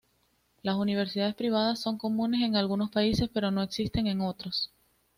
Las universidades privadas son comunes en algunos países, pero no existen en otros.